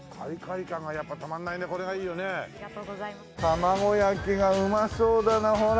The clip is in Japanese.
玉子焼がうまそうだなほら。